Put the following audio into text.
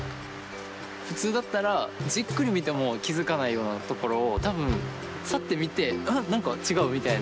普通だったらじっくり見ても気付かないようなところを多分さって見て「うん何か違う」みたいな。